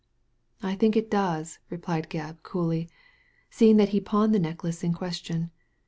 I think it does, replied Gebb, coolly, "seeing that he pawned the necklace in question.